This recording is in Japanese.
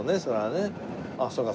あっそっか。